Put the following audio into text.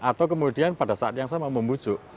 atau kemudian pada saat yang sama membujuk